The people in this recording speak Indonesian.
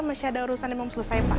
masih ada urusan yang mau diselesaikan pak